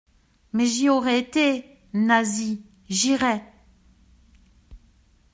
Mais j'y aurais été, Nasie ! J'irai.